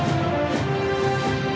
nhiệt độ ngày đêm